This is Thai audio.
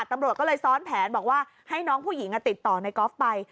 ตำรวจก็เลยซ้อนแผนบอกว่าให้น้องผู้หญิงติดต่อในกอล์ฟไป